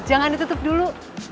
jangan ditutup dulu